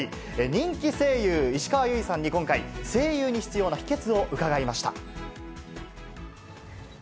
人気声優、石川由依さんに今回、声優に必要な秘けつを伺いました。